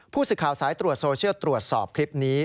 ผู้สื่อข่าวสายตรวจโซเชียลตรวจสอบคลิปนี้